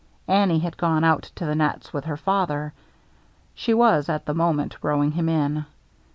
Annie had gone out to the nets with her father. She was, at the moment, rowing him in.